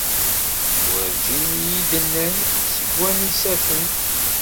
Werǧin iyi-d-nnan seg wanisa-ten.